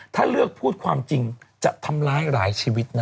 ถ้าเลือกพูดความจริงจะทำร้ายหลายชีวิตนะ